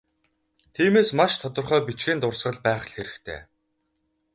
Тиймээс, маш тодорхой бичгийн дурсгал байх л хэрэгтэй.